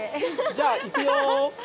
じゃあいくよ！